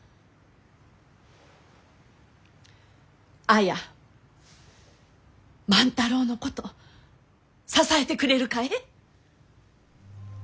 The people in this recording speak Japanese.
綾万太郎のこと支えてくれるかえ？